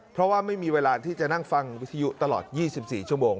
เพราะว่าไม่มีเวลาที่จะนั่งฟังวิทยุตลอด๒๔ชั่วโมง